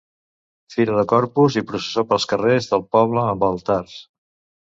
Fira de Corpus i processó pels carrers del poble amb altars.